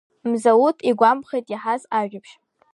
Мзауҭ игәамԥхеит иаҳаз ажәабжь.